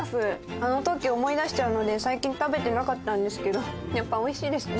あの時を思い出しちゃうので最近食べてなかったんですけどやっぱ美味しいですね。